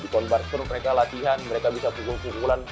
di combat sport mereka latihan mereka bisa pukul pukulan